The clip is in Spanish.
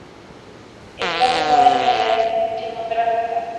Está filmada en calidad cinematográfica.